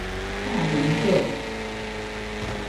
大林鎮